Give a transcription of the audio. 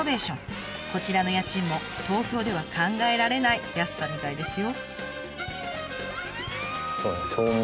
こちらの家賃も東京では考えられない安さみたいですよ。